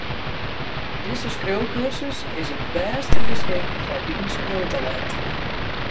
Dizze skriuwkursus is it bêste geskink foar dyn skriuwtalint.